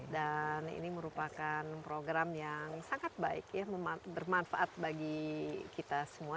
dan ini merupakan program yang sangat baik ya bermanfaat bagi kita semua